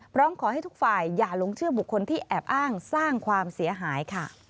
พร้อมขอให้ทุกฝ่ายอย่าหลงเชื่อบุคคลที่แอบอ้างสร้างความเสียหายค่ะ